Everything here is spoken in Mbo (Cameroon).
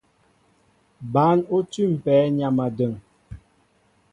Bǎn ó tʉ̂mpɛ nyam a dəŋ.